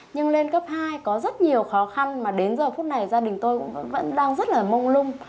nhưng lên cấp hai có rất nhiều khó khăn mà đến giờ phút này gia đình tôi cũng vẫn đang rất là mông lung